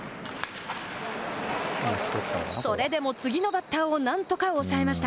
それでも次のバッターをなんとか抑えました。